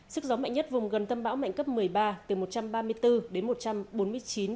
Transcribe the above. sức gió mạnh nhất vùng gần tâm bão mạnh cấp một mươi ba từ một trăm ba mươi bốn đến một trăm bốn mươi chín